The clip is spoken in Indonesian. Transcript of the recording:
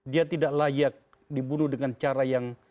dia tidak layak dibunuh dengan cara yang